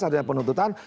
saat tidaknya penuntutan